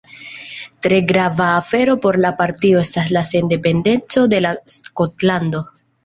Tre grava afero por la partio estas la sendependeco de la Skotlando.